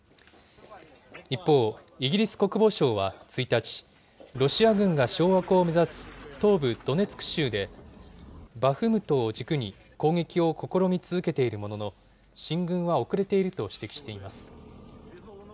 一方、イギリス国防省は１日、ロシア軍が掌握を目指す東部ドネツク州で、バフムトを軸に攻撃を試み続けているものの、進軍は遅れていると指摘しています。